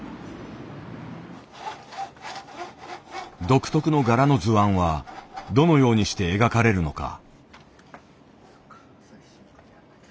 独特の柄の図案はどのようにして描かれるのか。